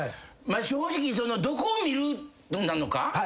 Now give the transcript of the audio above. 正直どこを見るなのか？